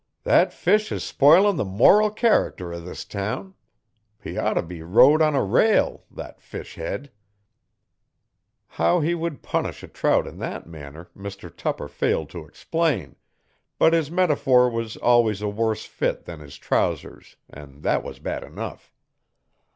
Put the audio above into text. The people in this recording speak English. Thet fish is sp'llin' the moral character o' this town. He oughter be rode on a rail thet fish hed.' How he would punish a trout in that manner Mr Tupper failed to explain, but his metaphor was always a worse fit than his trousers and that was bad enough.